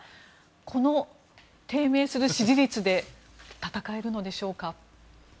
この低迷する支持率で戦えるのでしょうか？